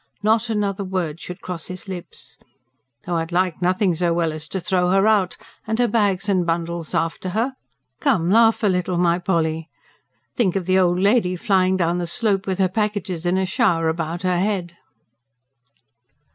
Not another word should cross his lips! "Though I'd like nothing so well as to throw her out, and her bags and bundles after her. Come, laugh a little, my Polly. Think of the old lady flying down the slope, with her packages in a shower about her head!"